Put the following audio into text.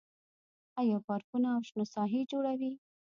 آیا پارکونه او شنه ساحې جوړوي؟